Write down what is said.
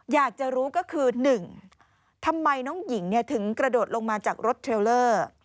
อยากจะรู้ก็คือ๑ทำไมน้องหญิงถึงกระโดดลงมาจากรถเทรลเลอร์